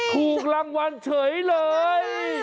ถูกรางวัลเฉยเลย